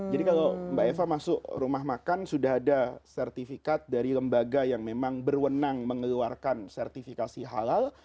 jadi kalau mbak eva masuk rumah makan sudah ada sertifikat dari lembaga yang memang berwenang mengeluarkan sertifikasi halal